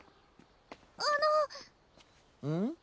あのうん？